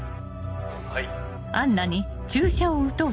はい。